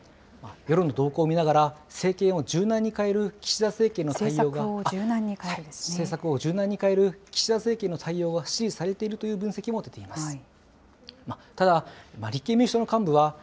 世論の動向を見ながら、政策を柔軟に変える岸田政権の対応が、政策を柔軟に変える岸田政権の対応が支持されているという分析も出ています。